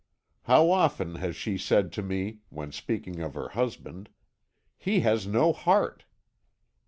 "How often has she said to me, when speaking of her husband, 'He has no heart!'